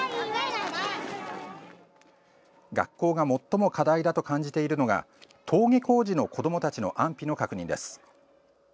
学校が最も課題だと感じているのが登下校時の子どもたちの安否の確認です。